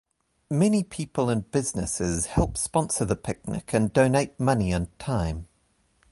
Many people and businesses help sponsor the picnic and donate money and time.